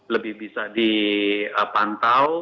lebih bisa dipantau